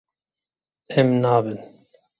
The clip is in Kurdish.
Em nabin.